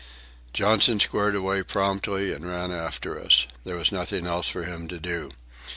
Johnson squared away promptly and ran after us. There was nothing else for him to do.